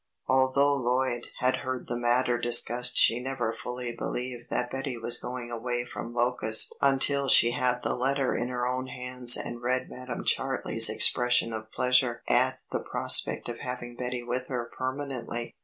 Although Lloyd had heard the matter discussed she never fully believed that Betty was going away from Locust until she had the letter in her own hands and read Madam Chartley's expression of pleasure at the prospect of having Betty with her permanently.